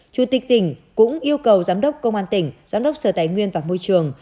chủ tịch tỉnh cũng yêu cầu giám đốc công an tỉnh giám đốc sở tài nguyên và môi trường